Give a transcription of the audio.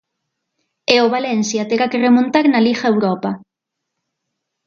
E o Valencia terá que remontar na Liga Europa.